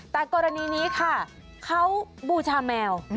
แต่กรณีนี้ค่ะเขาบูชาแมว